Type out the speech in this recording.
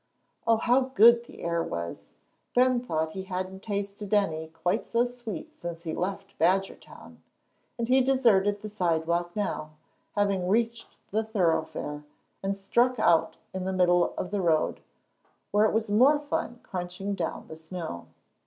Oh, how good the air was! Ben thought he hadn't tasted any quite so sweet since he left Badgertown and he deserted the sidewalk now, having reached the thoroughfare, and struck out in the middle of the road, where it was more fun crunching down the snow.